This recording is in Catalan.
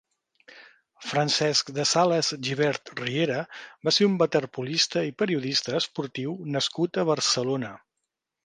Francesc de Sales Gibert Riera va ser un waterpolista i periodista esportiu nascut a Barcelona.